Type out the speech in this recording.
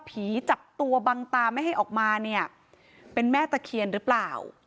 จับตัวบังตาไม่ให้ออกมาเนี่ยเป็นแม่ตะเคียนหรือเปล่า